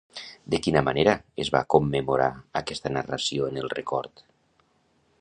De quina manera es va commemorar aquesta narració en el record?